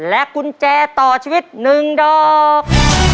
กุญแจต่อชีวิต๑ดอก